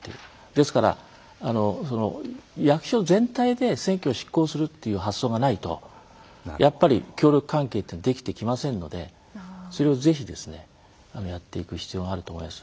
ですから役所全体で選挙を執行するっていう発想がないとやっぱり協力関係というのはできてきませんのでそれをぜひやっていく必要があると思います。